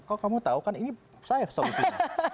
kok kamu tau kan ini saya solusinya